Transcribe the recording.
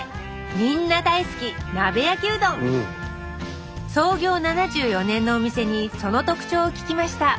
みんな大好き創業７４年のお店にその特徴を聞きました